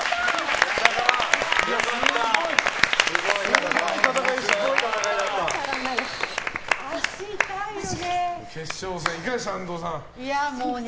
すごい戦いでしたね。